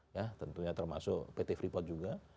ya tentunya termasuk pt freeport juga